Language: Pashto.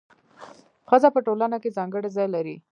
ښځه په ټولنه کي ځانګړی ځای لري.